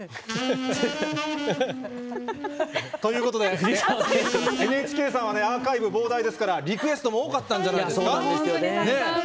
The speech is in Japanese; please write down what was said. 藤井さん、ＮＨＫ さんはアーカイブ膨大ですからリクエストも多かったんじゃないですか？